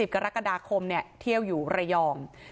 กรกฎาคมเที่ยวอยู่ระยอง